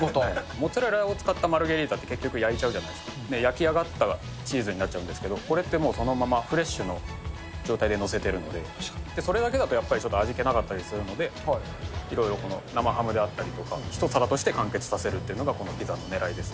モッツァレラを使ったマルゲリータは結局焼くじゃないですか、チーズになっちゃうんですけど、これってもうそのままフレッシュの状態で載せてるので、それだけだとやっぱ味気なかったりするので、いろいろこの生ハムであったりとか、１皿として完結させるっていうのがこのピザのねらいです。